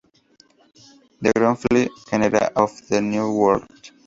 Dragonfly genera of the New World.